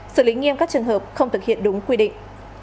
xử lý nghiêm các trường hợp không thực hiện đúng quy định